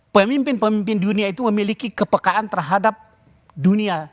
pemimpin pemimpin dunia itu memiliki kepekaan terhadap dunia